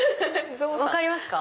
分かりますか？